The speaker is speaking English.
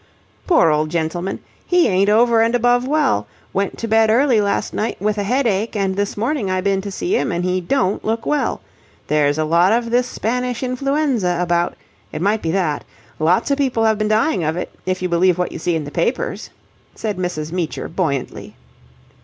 "Poor old gentleman, he ain't over and above well. Went to bed early last night with a headache, and this morning I been to see him and he don't look well. There's a lot of this Spanish influenza about. It might be that. Lots o' people have been dying of it, if you believe what you see in the papers," said Mrs. Meecher buoyantly.